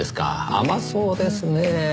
甘そうですねぇ。